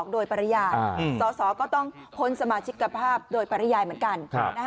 โดยปริญญาสอสอก็ต้องพ้นสมาชิกภาพโดยปริยายเหมือนกัน